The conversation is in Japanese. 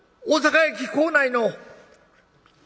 「大阪駅構内の」。